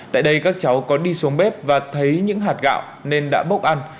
tại đây các cháu có đi xuống bếp và thấy những hạt gạo nên đã bốc ăn